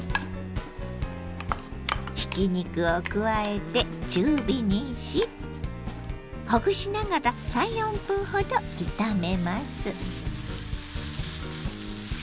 ひき肉を加えて中火にしほぐしながら３４分ほど炒めます。